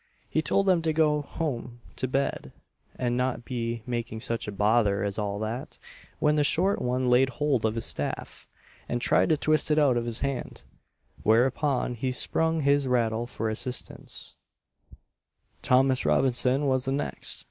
He told them to go home to bed, and not be making such a bother as all that, when the short one laid hold of his staff, and tried to twist it out of his hand, whereupon he sprung his rattle for assistance, &c. Thomas Robinson was the next.